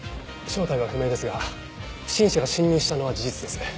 正体は不明ですが不審者が侵入したのは事実です。